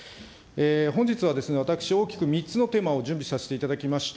本日は、私、大きく３つのテーマを準備させていただきました。